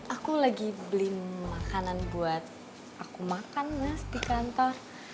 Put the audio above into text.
aku lagi beli makanan buat aku makan mas di kantor